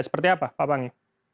seperti apa pak panggi